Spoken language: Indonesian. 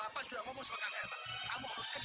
pemakai yang kamu ini